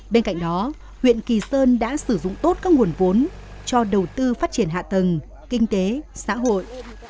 bên cạnh đó huyện kỳ sơn đã sử dụng tốt các nguồn vốn cho đầu tư phát triển hạ tầng kinh tế xã hội